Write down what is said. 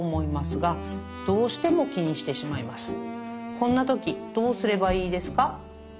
こんな時、どうすればいいですか」。